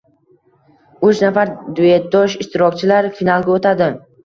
uch nafar duetdosh ishtirokchilar finalga o‘tadi.